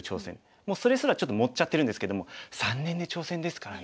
もうそれすらちょっと盛っちゃってるんですけども３年で挑戦ですからね